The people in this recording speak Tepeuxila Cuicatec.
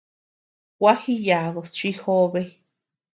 Gua jiyadus chi jobe.